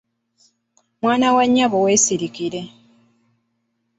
Mwana wa nnyabo weesirikire